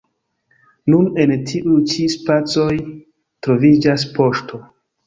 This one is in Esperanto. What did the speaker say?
Nun en tiuj ĉi spacoj troviĝas poŝto.